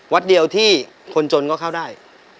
วัดเดียวที่คนจนก็เข้าได้